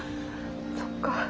そっか。